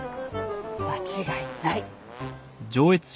間違いない！